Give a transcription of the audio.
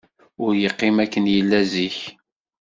Ur yeqqim akken yella zik.